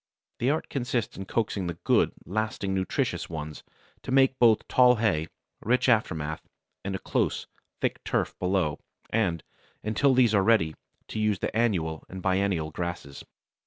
The art consists in coaxing the good, lasting, nutritious ones to make both tall hay, rich aftermath, and a close, thick turf below, and, until these are ready, to use the annual and biennial grasses.